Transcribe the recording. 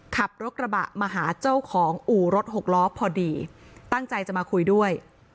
ขับรถกระบะมาหาเจ้าของอู่รถหกล้อพอดีตั้งใจจะมาคุยด้วย